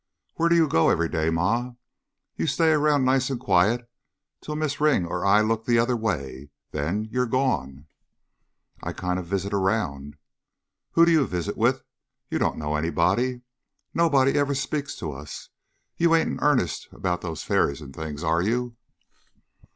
"Where do you go every day, Ma? You stay around nice and quiet till Miz' Ring or I look the other way, then you're gone." "I kinda visit around." "Who d'you visit with? You don't know anybody. Nobody ever speaks to us. You ain't in earnest about those fairies and things, are you?"